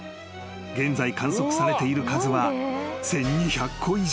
［現在観測されている数は１，２００個以上］